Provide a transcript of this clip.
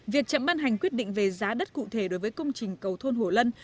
việc chậm ban hành quyết định về giá đất cụ thể đối với công trình cầu thôn hổ lân